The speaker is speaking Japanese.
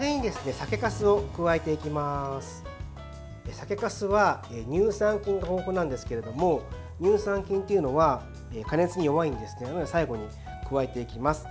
酒かすは乳酸菌が豊富なんですけれども乳酸菌というのは加熱に弱いので最後に加えていきます。